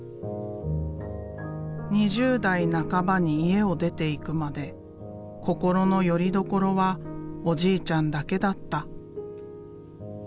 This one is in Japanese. ２０代半ばに家を出ていくまで心のよりどころはおじいちゃんだけだった。